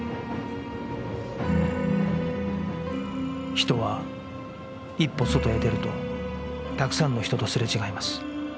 人は一歩外へ出るとたくさんの人とすれ違います